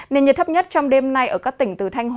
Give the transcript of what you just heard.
nền nhiệt thấp nhất trong đêm nay ở các tỉnh từ thành độ